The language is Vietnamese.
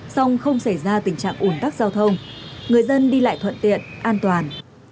song không xảy ra tình trạng ủn tắc giao thông người dân đi lại thuận tiện an toàn